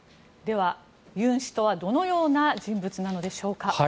では、ユン氏とはどのような人物なのでしょうか。